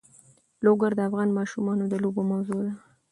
لوگر د افغان ماشومانو د لوبو موضوع ده.